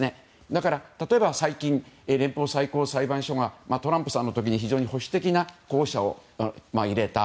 だから、例えば最近連邦最高裁判所がトランプさんの時に非常に保守的な候補者を入れた。